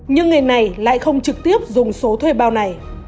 nhưng người này lại không trực tiếp dùng số thuê bao này